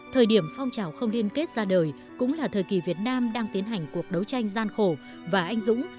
thời điểm phong trào không liên kết ra đời cũng là thời kỳ việt nam đang tiến hành cuộc đấu tranh gian khổ và anh dũng